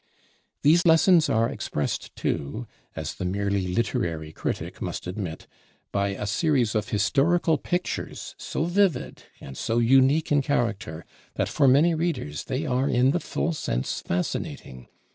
These lessons are expressed, too, as the merely literary critic must admit, by a series of historical pictures, so vivid and so unique in character that for many readers they are in the full sense fascinating.